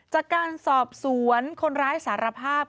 จากการสอบสวนคนร้ายสารภาพ